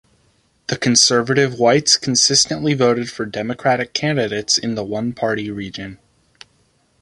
The conservative whites consistently voted for Democratic candidates in the one-party region.